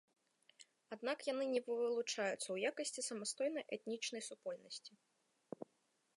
Аднак яны не вылучаюцца ў якасці самастойнай этнічнай супольнасці.